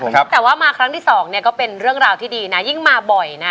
แต่ว่ามาครั้งที่สองเนี่ยก็เป็นเรื่องราวที่ดีนะยิ่งมาบ่อยนะ